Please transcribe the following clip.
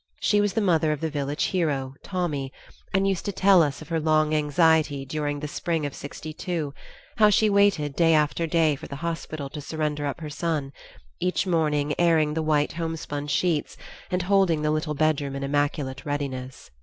She was the mother of the village hero, Tommy, and used to tell us of her long anxiety during the spring of '62; how she waited day after day for the hospital to surrender up her son, each morning airing the white homespun sheets and holding the little bedroom in immaculate readiness.